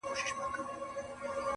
لا رواني دي جوپې د شهيدانو-